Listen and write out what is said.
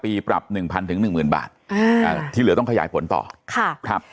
ปรับหนึ่งพันถึงหนึ่งหมื่นบาทอ่าที่เหลือต้องขยายผลต่อค่ะครับ